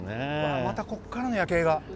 またここからの夜景が。